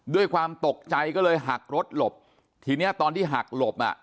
ด้วยความตกใจก็เลยหักรถหลบทีเนี้ยตอนที่หักหลบอ่ะ